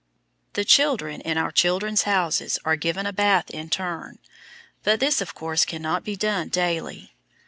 The children in our "Children's Houses" are given a bath in turn, but this, of course, can not be done daily.